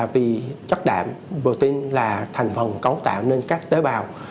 vì chất đạm protein là thành phần cấu tạo nên các tế bào